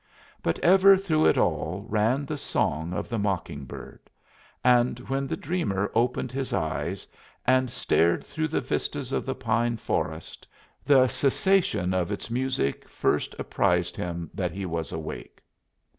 But ever through it all ran the song of the mocking bird, and when the dreamer opened his eyes and stared through the vistas of the pine forest the cessation of its music first apprised him that he was awake.